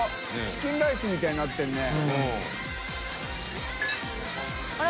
佑Аチキンライスみたいになってるね王林）